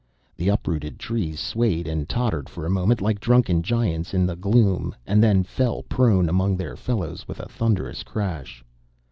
The uprooted trees swayed and tottered for a moment like drunken giants in the gloom, and then fell prone among their fellows with a thunderous crash.